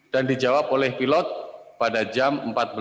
dan dijawab oleh pilot pada jam empat belas tiga puluh sembilan lima puluh sembilan